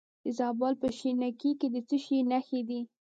د زابل په شینکۍ کې د څه شي نښې دي؟